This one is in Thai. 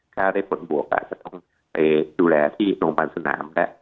ถ้าได้ผลบวกก็อาจจะต้องไปดูแลที่โรงพยาบาลสนามแล้ว